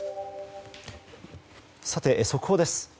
速報です。